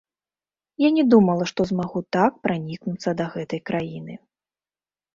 Я не думала, што змагу так пранікнуцца да гэтай краіны.